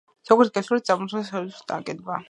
ზოგიერთი ვერსიით მოწამლა შინსახკომის აგენტმა.